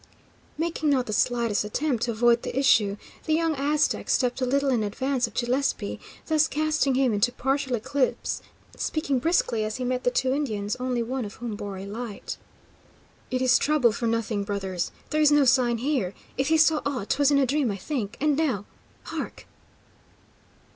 Making not the slightest attempt to avoid the issue, the young Aztec stepped a little in advance of Gillespie, thus casting him into partial eclipse, speaking briskly, as he met the two Indians, only one of whom bore a light: "It is trouble for nothing, brothers. There is no sign here. If he saw aught, 'twas in a dream, I think. And now hark!"